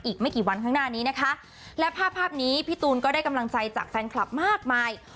อีกไม่กี่วันข้างหน้านี้นะคะและภาพภาพนี้พี่ตูนก็ได้กำลังใจจากแฟนคลับมากมาย